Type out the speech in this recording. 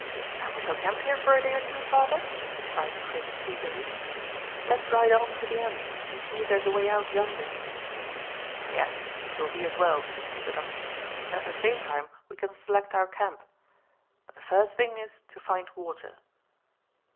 "Then we shall camp here for a day or two, father?" cried Chris eagerly. "Let's ride on to the end, and see if there's a way out yonder." "Yes, it will be as well," said the doctor, "and at the same time we can select our camp. But the first thing is to find water."